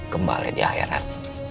kembali di akhirat